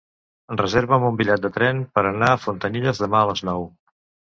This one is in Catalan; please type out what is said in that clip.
Reserva'm un bitllet de tren per anar a Fontanilles demà a les nou.